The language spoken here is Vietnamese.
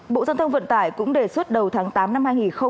bộ giao thông vận tải cũng đề xuất đầu tháng tám năm hai nghìn hai mươi